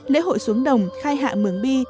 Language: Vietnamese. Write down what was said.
lễ hội xuống đồng khai hạ mường bi